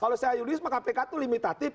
kalau saya yuridis kpk itu limitatif